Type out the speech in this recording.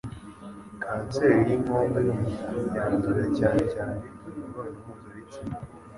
Kanseri y'inkondo y'umura, yandurira cyane cyane mu mibonano mpuzabitsina\\